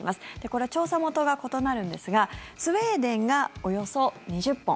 これ、調査元が異なるんですがスウェーデンがおよそ２０本。